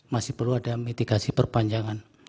masih perlu ada mitigasi perpanjangan